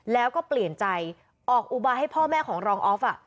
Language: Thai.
แล้วก็เปลี่ยนใจออกอุบายให้พ่อแม่ของรองออฟ